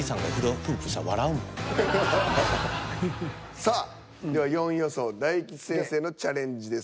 さあでは４位予想大吉先生のチャレンジです。